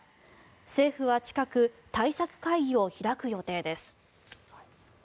政府は近く対策会議を開く予定です。